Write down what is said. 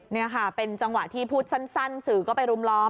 นี่ค่ะเป็นจังหวะที่พูดสั้นสื่อก็ไปรุมล้อม